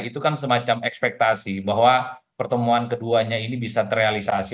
itu kan semacam ekspektasi bahwa pertemuan keduanya ini bisa terrealisasi